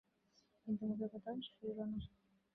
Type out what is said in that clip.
কিন্তু মুখে কথা সরিল না।